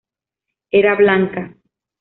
Era blanca.